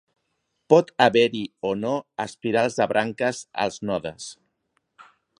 Pot haver-hi o no espirals de branques als nodes.